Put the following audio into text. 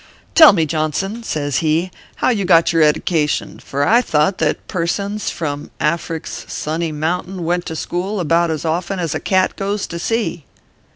" Tell me, Johnson," says he, " how you got your eddication, for I thought that persons from Afric s sunny mountain went to school about as often as a cat goes to sea."